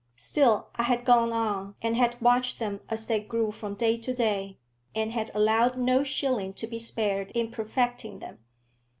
Still I had gone on, and had watched them as they grew from day to day, and had allowed no shilling to be spared in perfecting them.